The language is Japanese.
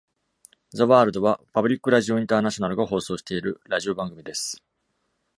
『The World』は、パブリック・ラジオ・インターナショナルが放送しているラジオ番組です。